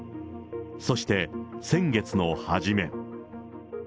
そして先月の初め。